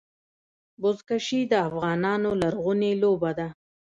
بزکشي د افغانانو لرغونې لوبه ده.